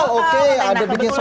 coba kita cari ada yang bikin soal